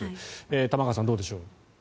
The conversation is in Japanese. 玉川さん、どうでしょう。